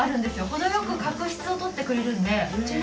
程良く角質を取ってくれるんで。